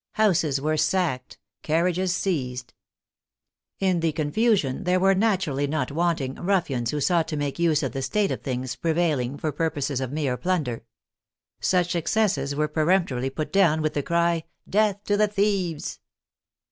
Houses were sacked; carriages seized. In 14 THE FRENCH REVOLUTION the confusion there were naturally not wanting ruffians who sought to make use of the state of things prevailing for purposes of mere plunder. Such excesses were per emptorily put down with the cry, *' Death to the thieves